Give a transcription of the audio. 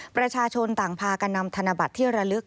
ประชาชนต่างพากันนำธนบัตรที่ระลึก